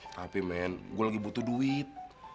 tapi men gue lagi butuh duit